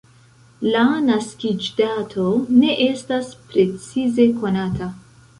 La naskiĝdato ne estas precize konata.